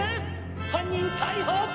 犯人逮捕！」